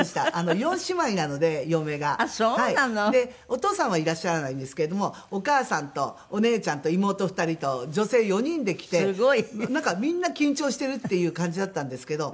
お父さんはいらっしゃらないんですけれどもお母さんとお姉ちゃんと妹２人と女性４人で来てなんかみんな緊張してるっていう感じだったんですけど。